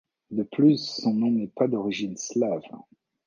De plus, son nom n’est pas d’origine slave.